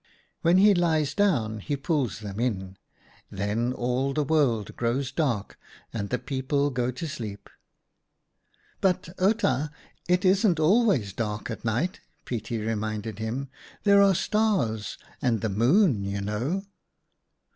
" When he lies down, he pulls them in. Then all the world grows dark and the people go to sleep." 11 But, Outa, it isn't always dark at night," Pietie reminded him. " There are the Stars and the Moon, you know."